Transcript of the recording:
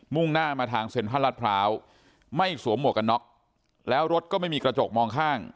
่งหน้ามาทางเซ็นทรัลรัฐพร้าวไม่สวมหมวกกันน็อกแล้วรถก็ไม่มีกระจกมองข้าง